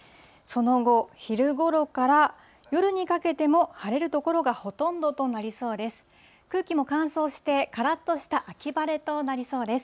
その後、昼ごろから夜にかけても晴れる所がほとんどとなりそうです。